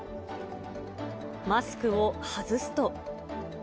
マスクを外すと。